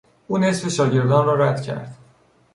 او نصف شاگردان را رد کرد.